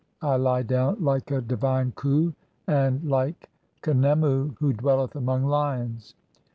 I lie down like a divine Klui, [and like] "Khnemu who dwelleth among lions.